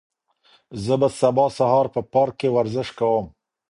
زه به سبا سهار په پارک کې ورزش کوم.